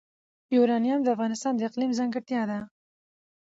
یورانیم د افغانستان د اقلیم ځانګړتیا ده.